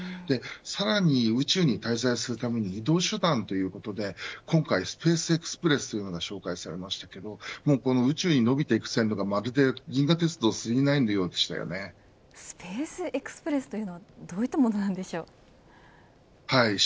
さらに宇宙に滞在するために移動手段ということで今回、スペースエクスプレスというものが紹介されましたが宇宙に伸びていく線路がまるで銀河鉄道９９９スペースエクスプレスというのはどういうものなんでしょうか。